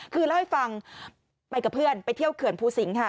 คือเล่าให้ฟังไปกับเพื่อนไปเที่ยวเขื่อนภูสิงค่ะ